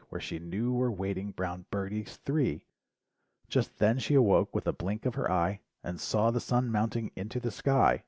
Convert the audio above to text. Where she knew were waiting brown birdies three Just then she awoke with a blink of her eye And saw the sun mounting into the sky.